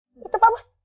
itu pak bos itu pak bos